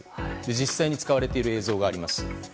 実際に使われている映像があります。